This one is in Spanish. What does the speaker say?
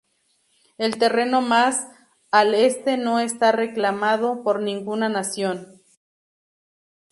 El terreno más al este no está reclamado por ninguna nación.